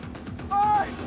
おい！